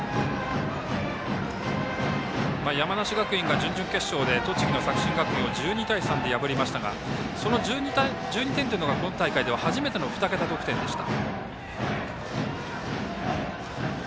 山梨学院が準々決勝で栃木の作新学院を１２対３で破りましたがその１２点というのが今大会では初めての２桁得点でした。